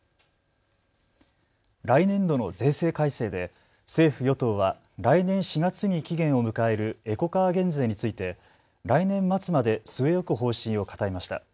来年度の税制改正で政府与党は来年４月に期限を迎えるエコカー減税について来年末まで据え置く方針を固めました。